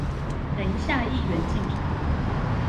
等一下議員進場